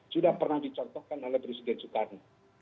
sudah pernah dicontohkan oleh presiden soekarno